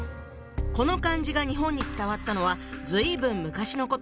この漢字が日本に伝わったのは随分昔のこと。